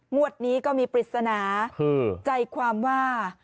งวดนี้ก็มีปริศนาใจความว่า